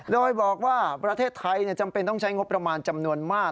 โดยบอกว่าประเทศไทยจำเป็นต้องใช้งบประมาณจำนวนมาก